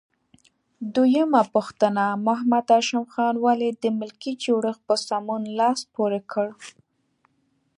دویمه پوښتنه: محمد هاشم خان ولې د ملکي جوړښت په سمون لاس پورې کړ؟